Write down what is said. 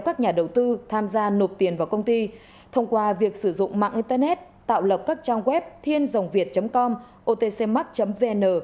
các nhà đầu tư tham gia nộp tiền vào công ty thông qua việc sử dụng mạng internet tạo lọc các trang web thiêndòngviet com otcmark vn